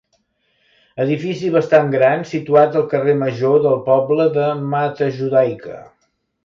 Edifici bastant gran situat al carrer Major del poble de Matajudaica.